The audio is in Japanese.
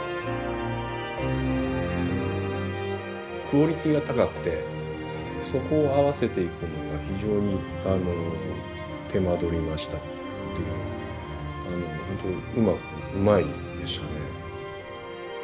クオリティーが高くてそこを合わせていくのが非常に手間取りましたっていうのはあのほんとうまくうまいでしたね。